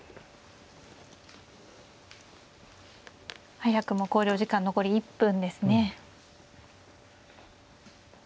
早くも考慮時間残り１分ですね。